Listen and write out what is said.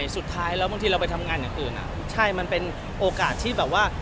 สุดท้ายแล้วบางทีเราไปทำงานอย่างอื่นใช่มันเป็นโอกาสที่แบบว่า